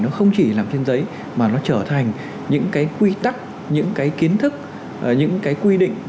nó không chỉ làm trên giấy mà nó trở thành những cái quy tắc những cái kiến thức những cái quy định